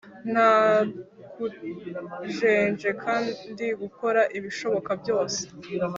Nta kujenjeka, ndi gukora ibishoboka byose